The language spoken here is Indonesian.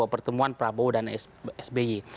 pertemuan prabowo dan sby